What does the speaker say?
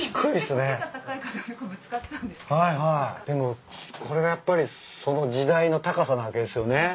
でもこれがやっぱりその時代の高さなわけですよね。